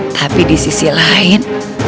tapi di sisi lain